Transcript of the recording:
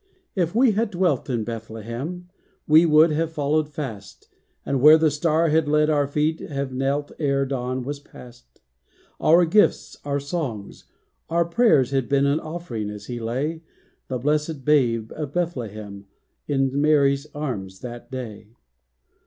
If we had dwelt in Bethlehem, We would have followed fast, And where the Star had led our feet Have knelt ere dawn was past. Our gifts, our songs, our prayers had been An offering, as He lay, The blessed Babe of Bethlehem, In Mary's arms that day.